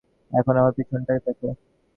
এখন আমার পিছন টা দেখ।